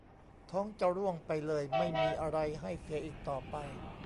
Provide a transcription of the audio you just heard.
ท้องจะร่วงไปเลย ไม่มีอะไรให้เสียอีกต่อไป